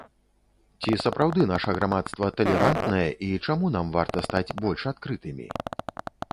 Ці сапраўды наша грамадства талерантнае і чаму нам варта стаць больш адкрытымі?